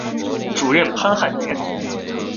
主任潘汉年。